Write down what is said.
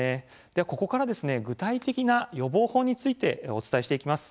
ここからは具体的な予防法についてお伝えしていきます。